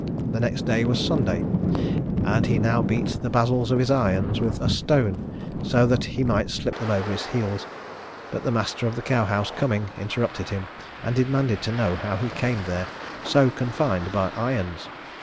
The next day was Sunday, and he now beat the basils of his irons with a stone, so that he might slip them over his heels, but the master of the cow house coming, interrupted him, and demanded to know how he came there so confined by irons.